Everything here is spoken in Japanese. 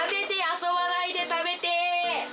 遊ばないで食べて。